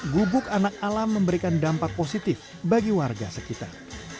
gubuk anak alam memberikan dampak positif bagi warga sekitar